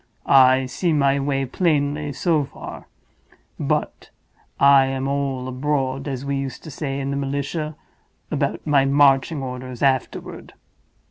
I see my way plainly so far; but I am all abroad, as we used to say in the militia, about my marching orders afterward.